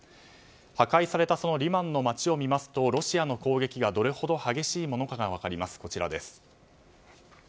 破壊されたリマンの街を見ますとロシアの攻撃がどれほど激しいものかが分かります。